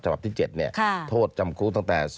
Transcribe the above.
ฉบับที่๗เนี่ยโทษจำคลุตั้งแต่